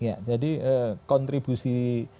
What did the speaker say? ya jadi kontribusi berdasarkan sektor